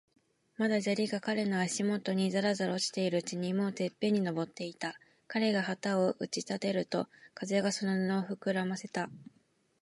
まだ砂利が彼の足もとにざらざら落ちているうちに、もうてっぺんに登っていた。彼が旗を打ち立てると、風がその布をふくらませた。